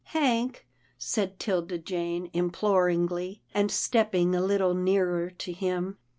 " Hank," said 'Tilda Jane, imploringly, and step ping a little nearer to him.